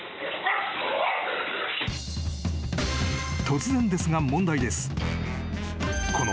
・［突然ですが問題です］